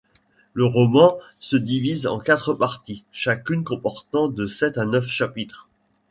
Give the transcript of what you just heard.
Le roman se divise en quatre parties, chacune comportant de sept à neuf chapitres.